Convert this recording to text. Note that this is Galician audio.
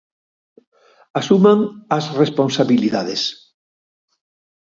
Asuman as responsabilidades.